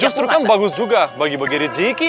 justru kan bagus juga bagi bagi rejeki